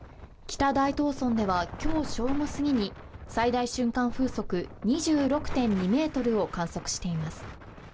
北大東村では今日正午すぎに最大瞬間風速２６．２メートルを観測しています。